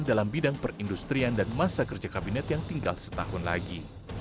dalam bidang perindustrian dan masa kerja kabinet yang tinggal setahun lagi